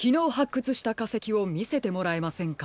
くつしたかせきをみせてもらえませんか？